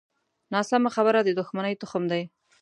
ناسمه خبره د دوښمنۍ تخم دی